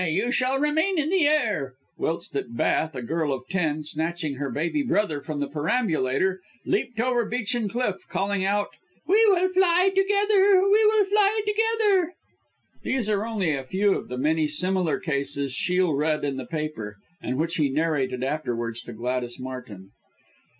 You shall remain in the air;" whilst at Bath a girl of ten, snatching her baby brother from the perambulator, leaped over Beechen Cliff, calling out, "We will fly together! We will fly together!" These are only a few of the many similar cases Shiel read in the paper, and which he narrated afterwards to Gladys Martin.